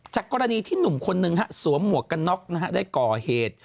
กรณีที่หนุ่มคนหนึ่งสวมหมวกกันน็อกนะฮะได้ก่อเหตุ